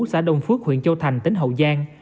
xã đông phước huyện châu thành tỉnh hậu giang